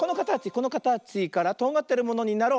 このかたちからとんがってるものになろう。